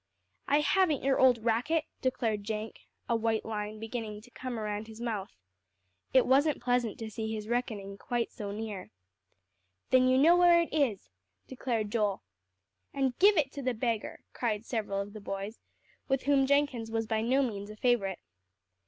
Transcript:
"I haven't your old racket," declared Jenk, a white line beginning to come around his mouth. It wasn't pleasant to see his reckoning quite so near. "Then you know where it is," declared Joel. "And give it to the beggar," cried several of the boys, with whom Jenkins was by no means a favorite.